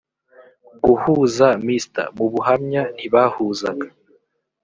guhuza mr mu buhamya ntibahuzaga